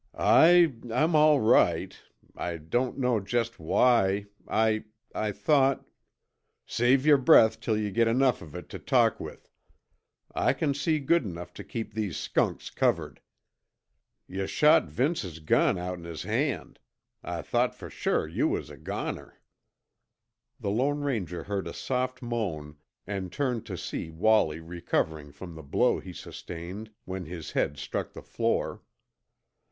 "I I'm all right. I don't know just why I I thought " "Save yer breath till yuh got enough of it tuh talk with. I c'n see good enough tuh keep these skunks covered. Yuh shot Vince's gun outen his hand. I thought fer sure you was a goner." The Lone Ranger heard a soft moan and turned to see Wallie recovering from the blow he sustained when his head struck the floor.